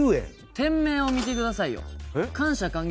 店名を見てくださいよ